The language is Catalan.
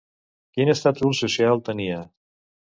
Quin estatus social tenia?